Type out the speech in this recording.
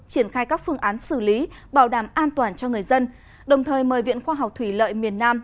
triển khai các phương án xử lý bảo đảm an toàn cho người dân đồng thời mời viện khoa học thủy lợi miền nam